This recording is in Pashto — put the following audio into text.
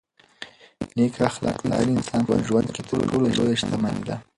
نېک اخلاق د هر انسان په ژوند کې تر ټولو لویه شتمني ده.